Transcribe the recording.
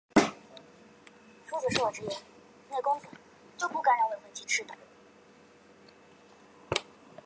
天卫十七是环绕天王星运行的一颗卫星。